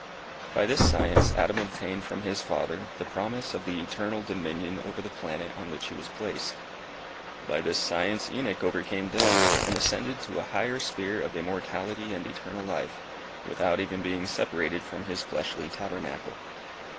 By this science Adam obtained from his Father, the promise of the eternal dominion over the planet on which he was placed. By this science Enoch overcame death, and ascended to a higher sphere of immortality and eternal life, without even being separated from his fleshly tabernacle.